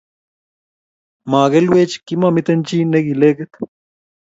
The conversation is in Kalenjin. Magelwech, kimamiten chi negilegit